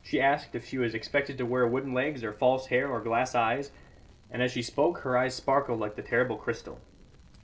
She asked if she was expected to wear wooden legs or false hair or glass eyes; and as she spoke her eyes sparkled like the terrible crystal.